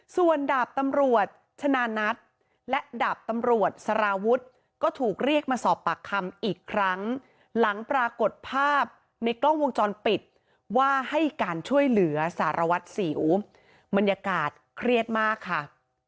ส่วนดาบตำรวจชนะนัทและดาบตำรวจสารวุฒิก็ถูกเรียกมาสอบปากคำอีกครั้งหลังปรากฏภาพในกล้องวงจรปิดว่าให้การช่วยเหลือสารวัตรสิวบรรยากาศเครียดมากค่ะ